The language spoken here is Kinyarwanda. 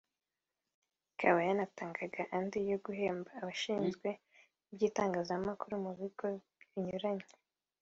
ikaba yanatangaga andi yo guhemba abashinzwe iby’itangazamakuru mu bigo binyuranye